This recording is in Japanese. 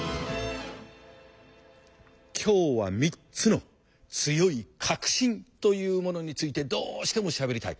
今日は３つの強い「確信」というものについてどうしてもしゃべりたい！